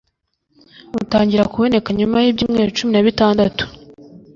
utangira kuboneka nyuma y'ibyumweru cumi nabitandatu